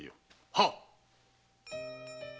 はっ！